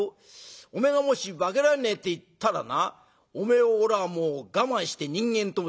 おめえがもし化けられねえって言ったらなおめえをおらもう我慢して人間と思って飲む！」。